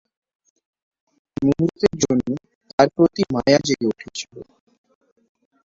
মুহূর্তের জন্য, তার প্রতি মায়া জেগে উঠেছিল।